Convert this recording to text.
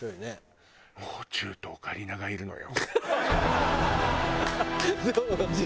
もう中とオカリナがいるのよ。